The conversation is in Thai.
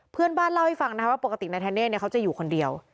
เพื่อนบ้านเล่าให้ฟังนะคะว่าปกตินายธเนธเขาจะอยู่คนเดียว